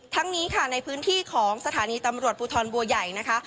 นี้ค่ะในพื้นที่ของสถานีตำรวจภูทรบัวใหญ่นะคะ